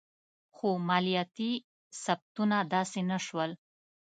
خو مالیاتي ثبتونه داسې نه شول.